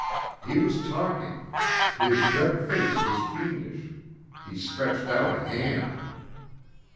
He was talking, his red face was fiendish, he stretched out a hand!